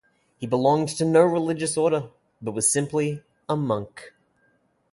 He belonged to no religious order but was simply a monk.